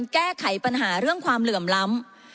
พร่ำพูดถึงการแก้ไขปัญหาเรื่องความเหลื่อมล้ำ